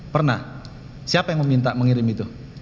pernah siapa yang meminta mengirim itu